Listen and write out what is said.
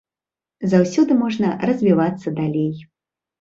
Заўсёды можна развівацца далей.